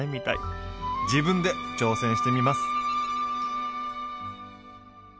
自分で挑戦してみます！